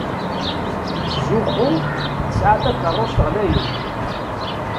Tettzuxxu tesɛa takeṛṛust ɣlayen.